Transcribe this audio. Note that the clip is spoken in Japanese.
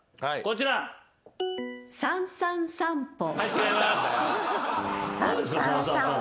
違います。